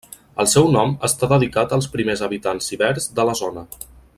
El seu nom està dedicat als primers habitants ibers de la zona.